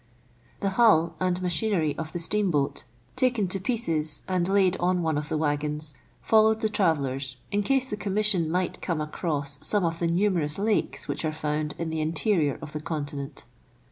The hull and machinery of the steamboat, taken to pieces and laid on one of the waggons, followed the travel lers, in case the Commission might come across some of the numerous lakes which are found in the interior of the continent.